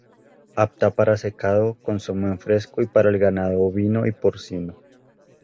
Apta para secado, consumo en fresco y para el ganado ovino y porcino.